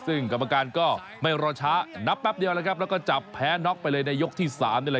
ซึ่งกรรมการก็ไม่รอช้านับแป๊บเดียวแล้วก็จับแพ้น็อกไปเลยในยกที่สาม